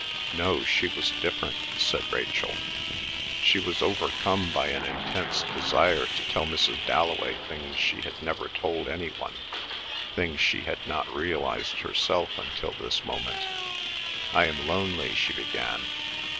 "No; she was different," said Rachel. She was overcome by an intense desire to tell Mrs. Dalloway things she had never told any one—things she had not realised herself until this moment. "I am lonely," she began.